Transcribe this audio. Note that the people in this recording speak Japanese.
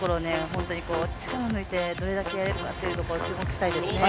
本当に力を抜いてどれだけやれるかというところを注目したいですよね。